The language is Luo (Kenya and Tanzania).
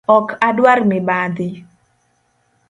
Ok adwar mibadhi.